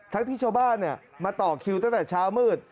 ทั้งที่ชาวบ้านเนี่ยมาต่อคิวตั้งแต่เช้ามืด